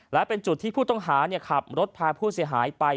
และเป็นจุดที่ผู้ต้องหาขับรถพาผู้เสียหายไป